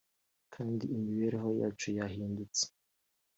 kandi imibereho yacu yahindutse